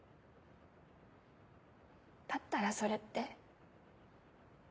だったらそれって。